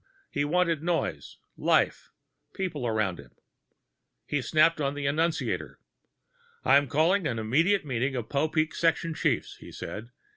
He wanted noise, life, people around him. He snapped on the annunciator. "I'm calling an immediate meeting of the Popeek section chiefs," he said.